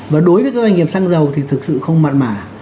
và đối với các doanh nghiệp sang dầu thì thực sự không mặt mả